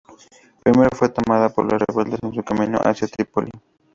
Primero fue tomada por los rebeldes en su camino hacia Trípoli.